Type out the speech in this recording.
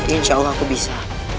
insya allah aku bisa